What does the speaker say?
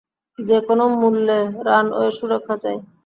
যেকোনো মূল্যে রানওয়ের সুরক্ষা চাই।